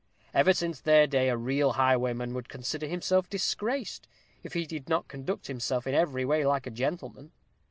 Ever since their day a real highwayman would consider himself disgraced, if he did not conduct himself in every way like a gentleman.